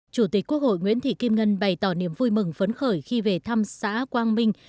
chủ tịch quốc hội nguyễn thị kim ngân bày tỏ niềm vui mừng phấn khởi khi về thăm xã quang minh